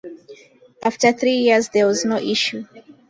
After three years there was no issue.